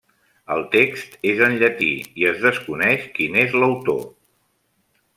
El text és en llatí i es desconeix qui n'és l'autor.